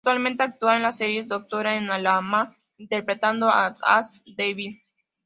Actualmente actúa en la serie Doctora en Alabama interpretando a Dash DeWitt.